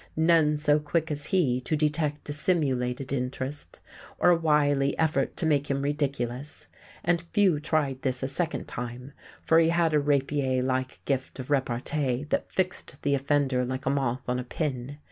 None so quick as he to detect a simulated interest, or a wily effort to make him ridiculous; and few tried this a second time, for he had a rapier like gift of repartee that transfixed the offender like a moth on a pin.